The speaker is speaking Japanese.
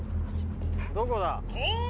どこだ。